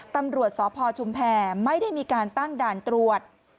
ตำรวจสพชุมแพรไม่ได้มีการตั้งด่านตรวจ